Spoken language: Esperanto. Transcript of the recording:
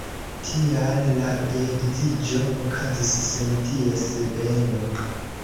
Tial la geedziĝo okazis sen ties beno.